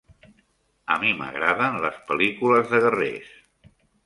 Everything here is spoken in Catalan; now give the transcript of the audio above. A mi m'agraden les pel·lícules de guerrers.